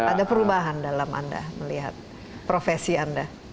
ada perubahan dalam anda melihat profesi anda